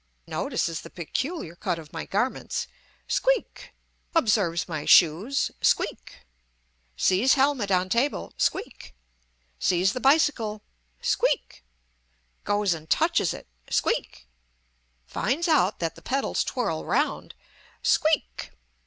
notices the peculiar cut of my garments squeak! observes my shoes squeak! sees helmet on table squeak! sees the bicycle squeak! goes and touches it squeak! finds out that the pedals twirl round squeak!